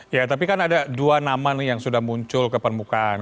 ya tapi kan ada dua nama nih yang sudah muncul ke permukaan